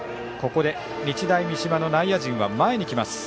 ここで日大三島の内野陣は前に来ました。